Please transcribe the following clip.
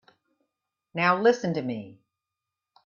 Now listen to me.